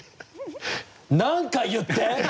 何か言って！